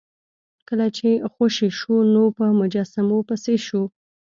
کله چې خوشې شو نو په مجسمو پسې شو.